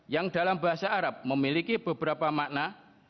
yang dalam bahasa arab memiliki beberapa makna